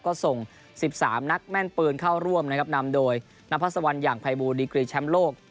ก็ส่ง๑๓นักแม่นปืนเข้าร่วมนะครับนำโดยนพัศวรรณอย่างภัยบูลดีกรีแชมป์โลก